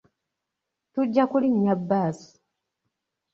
Tujja kulinnya bbaasi.